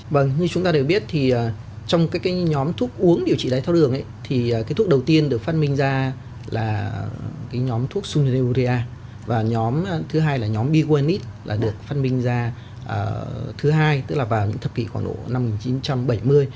vâng như chúng ta đều biết thì trong cái nhóm thuốc uống điều trị đáy thao đường thì cái thuốc đầu tiên được phát minh ra là cái nhóm thuốc sunga và nhóm thứ hai là nhóm biwanite là được phát minh ra thứ hai tức là vào những thập kỷ khoảng độ năm một nghìn chín trăm bảy mươi